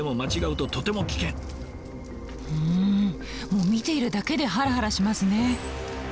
うんもう見ているだけでハラハラしますね。